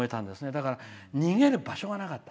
だから逃げる場所がなかった。